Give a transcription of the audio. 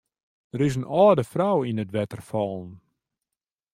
Der is in âlde frou yn it wetter fallen.